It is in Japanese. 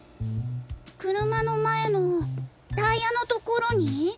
車の前のタイヤの所に？